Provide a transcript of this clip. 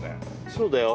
そうだよ